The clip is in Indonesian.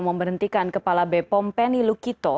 memberhentikan kepala bepom penny lukito